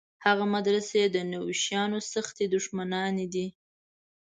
هغه مدرسې د نویو شیانو سختې دښمنانې دي.